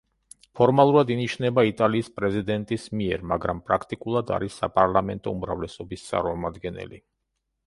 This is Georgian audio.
ფორმალურად ინიშნება იტალიის პრეზიდენტის მიერ, მაგრამ პრაქტიკულად არის საპარლამენტო უმრავლესობის წარმომადგენელი.